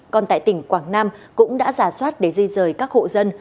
còn tại tỉnh quảng nam cũng đã giả soát để di rời các hộ dân